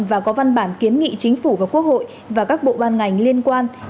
và có văn bản kiến nghị chính phủ và quốc hội và các bộ ban ngành liên quan